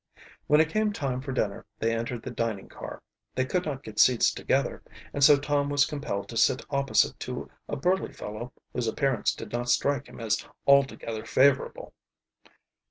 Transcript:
When it came time for dinner they entered the dining car. They could not get seats together, and so Tom was compelled to sit opposite to a burly fellow whose appearance did not strike him as altogether favorable.